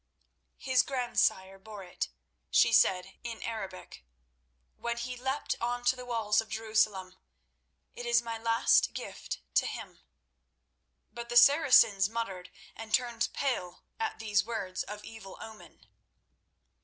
"His grandsire bore it," she said in Arabic, "when he leapt on to the walls of Jerusalem. It is my last gift to him." But the Saracens muttered and turned pale at these words of evil omen.